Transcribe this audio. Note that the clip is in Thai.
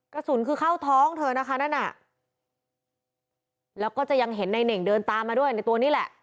กระสุนคือเข้าท้องเธอนะคะนั่นน่ะแล้วก็จะยังเห็นในเน่งเดินตามมาด้วยในตัวนี้แหละ